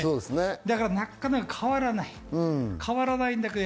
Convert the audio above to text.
だからなかなか変わらない。